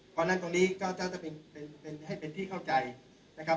ก่อนนั้นตรงนี้ก็จะจะเป็นเป็นเป็นให้เป็นที่เข้าใจนะครับ